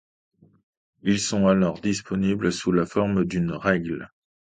Ils sont alors disponibles sous la forme d'une règle.